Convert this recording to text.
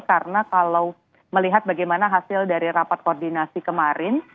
karena kalau melihat bagaimana hasil dari rapat koordinasi kemarin